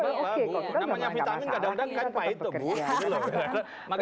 namanya vitamin kadang kadang kan pahit tuh bu